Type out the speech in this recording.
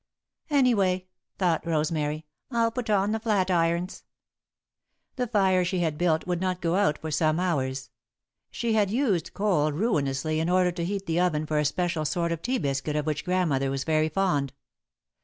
"Anyway," thought Rosemary, "I'll put on the flat irons." The fire she had built would not go out for some hours. She had used coal ruinously in order to heat the oven for a special sort of tea biscuit of which Grandmother was very fond.